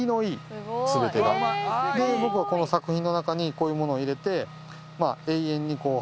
僕はこの作品の中にこういうものを入れて。